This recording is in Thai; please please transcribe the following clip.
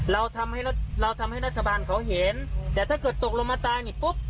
เราทำให้เราทำให้รัฐบาลเขาเห็นแต่ถ้าเกิดตกลงมาตายนี่ปุ๊บ